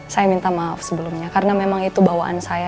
saya minta maaf sebelumnya karena memang itu bawaan saya